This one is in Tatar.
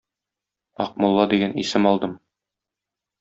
Акмулла дигән исем алдым